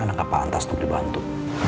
anak apa antas untuk dibantu